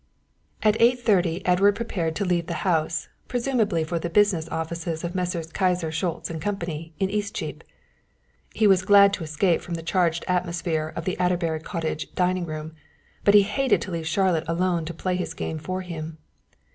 At eight thirty Edward prepared to leave the house, presumably for the business offices of Messrs. Kyser, Schultz & Company, in Eastcheap. He was glad to escape from the charged atmosphere of the Adderbury Cottage dining room, but he hated to leave Charlotte alone to play his game for him.